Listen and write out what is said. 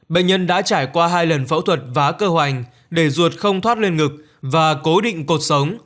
bệnh nhân đã trải qua hai lần phẫu thuật vá cơ hoành để ruột không thoát lên ngực và cố định cột sống